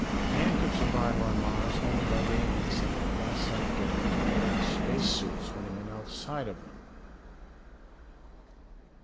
Man could survive on Mars only by living inside glassite domes and wearing space suits when he went outside of them.